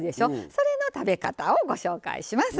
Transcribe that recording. それの食べ方をご紹介します。